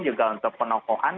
juga untuk penokohan